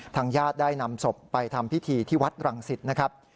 ญาติได้นำศพไปทำพิธีที่วัดรังสิตนะครับ